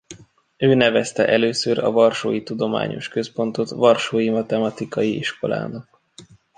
Ő nevezte először a varsói tudományos központot varsói matematikai iskolának.